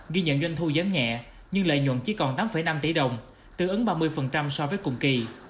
ghi nhận doanh thu giảm nhẹ nhưng lợi nhuận chỉ còn tám năm tỷ đồng tương ứng ba mươi so với cùng kỳ